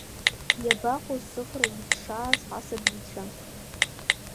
Иабаҟоу сыӷра иҭшааз ҳасабицәа?